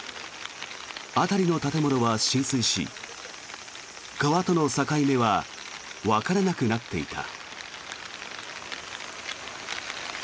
辺りの建物は浸水し川との境目はわからなくなっていた。